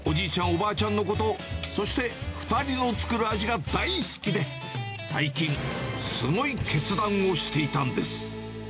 おばあちゃんのこと、そして２人の作る味が大好きで、最近、すごい決断をしていたんです。